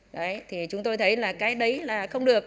đấy thì chúng tôi thấy là cái đấy là không được